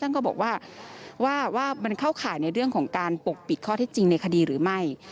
ก็บอกว่าว่ามันเข้าข่ายในเรื่องของการปกปิดข้อเท็จจริงในคดีหรือไม่